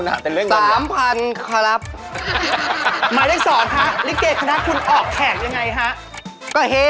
หมอต้องหัวเหรอ